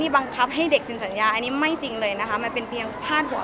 บังคับให้เด็กเซ็นสัญญาอันนี้ไม่จริงเลยนะคะมันเป็นเพียงพาดหัว